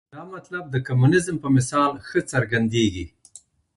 دا مطلب د کمونیزم په مثال ښه څرګندېږي.